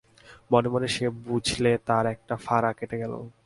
মনে মনে সে বুঝলে তার একটা ফাঁড়া কেটে গেল।